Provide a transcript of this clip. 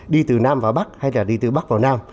đi từ nam vào bắc hay là đi từ bắc vào nam